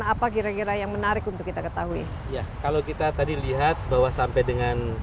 apa kira kira yang menarik untuk kita ketahui ya kalau kita tadi lihat bahwa sampai dengan